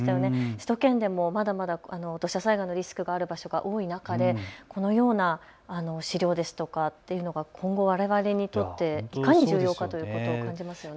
首都圏でもまだまだ土砂災害のリスクがある場所が多い中でこのような資料というのが今後われわれにとっていかに重要かというのを感じますよね。